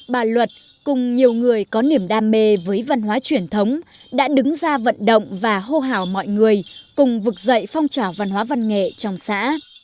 bà luật cùng nhiều người có niềm đam mê với văn hóa truyền thống đã đứng ra vận động và hô hào mọi người cùng vực dậy phong trào văn hóa văn nghệ trong xã